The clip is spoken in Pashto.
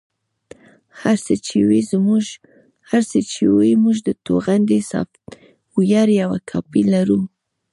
هر څه چې وي موږ د توغندي سافټویر یوه کاپي لرو